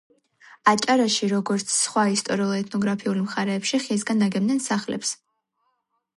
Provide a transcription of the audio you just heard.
აჭარაში როგორც სხვა ისტორიულ ეთნოგრაფიული მხარეებში ხისგან აგებდნენ სახლებს